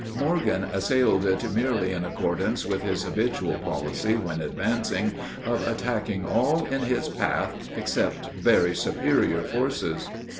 Morgan assailed it merely in accordance with his habitual policy when advancing of attacking all in his path except very superior forces.